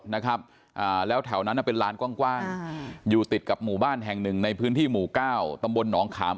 มีผู้หญิงคนหนึ่งบอกว่ามีคนมาเข้าฝั่นค่ะให้มาผูคอตายที่นี่อ้าว